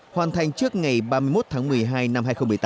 hoàn thành trước ngày ba mươi một tháng một mươi hai năm hai nghìn một mươi tám